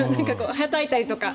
はたいたりとか。